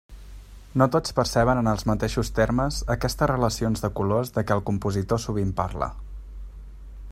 No tots perceben en els mateixos termes aquestes relacions de colors de què el compositor sovint parla.